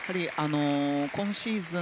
今シーズン